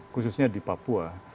khususnya di papua